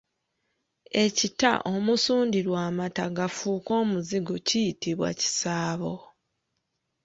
Ekita omusundirwa amata gafuuke Omuzigo kiyitibwa kisaabo.